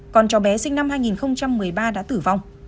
còn cháu bé sinh năm hai nghìn một mươi ba đã tử vong